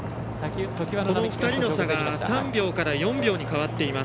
この２人の差が３秒から４秒に変わっています。